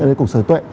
ở đây của sở tuệ